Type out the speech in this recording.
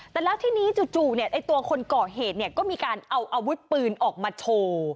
แต่แล้วทีนี้จู่ตัวคนก่อเหตุก็มีการเอาอาวุธปืนออกมาโชว์